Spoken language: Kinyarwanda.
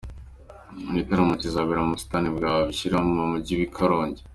Igitaramo kizabera mu busitani bwa Bwishyura mu Mujyi i wa Karongi.